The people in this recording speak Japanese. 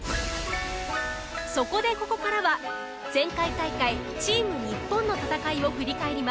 そこでここからは前回大会チーム日本の戦いを振り返ります。